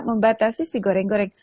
membatasi si goreng goreng